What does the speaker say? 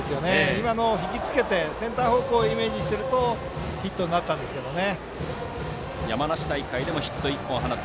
今のを引きつけてセンター方向をイメージするとヒットになったんですけどね。